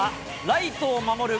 ライトを守る